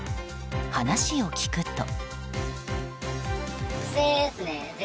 話を聞くと。